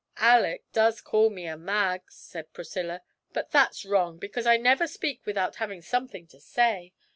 'Alick does call me a "mag,"' said Priscilla; 'but that's wrong, because I never speak without having something to say.